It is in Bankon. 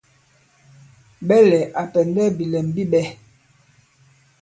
Ɓɛlɛ̀ à pɛ̀ndɛ bìlɛm bi ɓɛ̄.